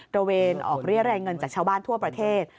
ระเวนออกเรียรายเงินจากชาวบ้านทั่วประเทศ